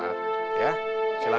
hati lebih dalam